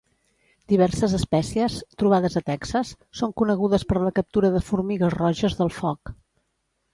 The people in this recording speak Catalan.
Diverses espècies, trobades a Texas, són conegudes per la captura de formigues roges del foc.